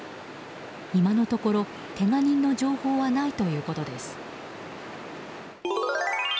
今のところ、けが人の情報はないということです。